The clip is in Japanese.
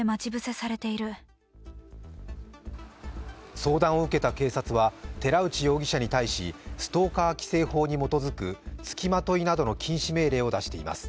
相談を受けた警察は寺内容疑者に対しストーカー規制法に基づくつきまといなどの禁止命令を出しています。